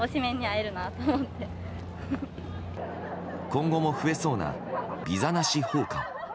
今後も増えそうなビザなし訪韓。